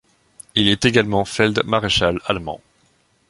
Il est également Feld-maréchal allemand.